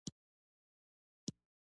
چهارمغز په کاپیسا او پروان کې کیږي.